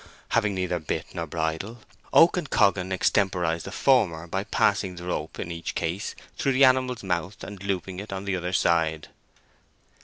Having neither bit nor bridle, Oak and Coggan extemporized the former by passing the rope in each case through the animal's mouth and looping it on the other side.